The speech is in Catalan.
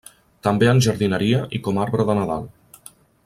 També en jardineria i com arbre de Nadal.